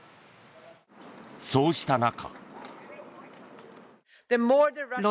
そうした中。